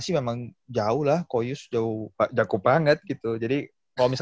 udah mengidolakan dari dulu nih